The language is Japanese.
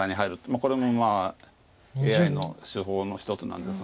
これもＡＩの手法の一つなんですが。